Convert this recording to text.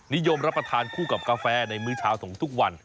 นิยมรับประทานคู่กับกาแฟในมื้อเช้าส่งทุกวัน